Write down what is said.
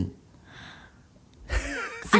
อะไรอ่ะ